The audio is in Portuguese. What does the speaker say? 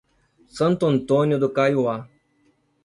Santo Antônio do Caiuá